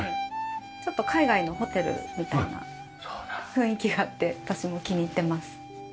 ちょっと海外のホテルみたいな雰囲気があって私も気に入ってます。